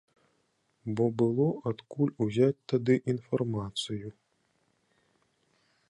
Бо было адкуль ўзяць тады інфармацыю.